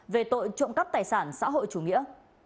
về tội trộm cắp tài sản xã hội chủ nghĩa